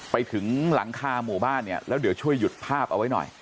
ไปถึงหลังคาหมู่บ้านเนี่ยแล้วเดี๋ยวช่วยหยุดภาพเอาไว้หน่อย